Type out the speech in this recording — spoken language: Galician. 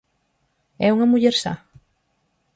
É unha muller sa?